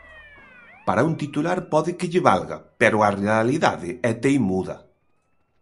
Para un titular pode que lle valga, pero a realidade é teimuda.